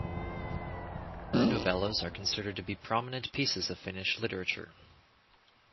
Her novellas are considered to be prominent pieces of Finnish literature.